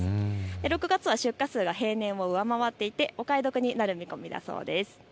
６月は出荷数が平年を上回っていてお買い得になる見込みだそうです。